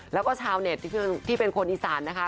แล้วก็ชาวเน็ตที่เป็นคนอีสานนะคะ